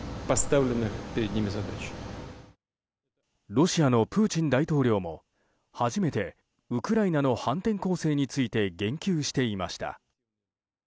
ロシアのプーチン大統領も初めてウクライナの反転攻勢について言及していました。